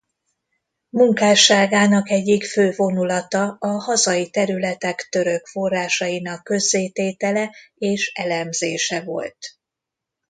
Munkásságának egyik fő vonulata a hazai területek török forrásainak közzététele és elemzése volt.